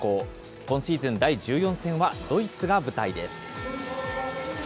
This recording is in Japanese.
今シーズン、第１４戦はドイツが舞台です。